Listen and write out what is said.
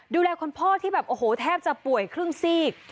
ดูแลคุณพ่อที่แบบโอ้โหแทบจะป่วยครึ่งซีก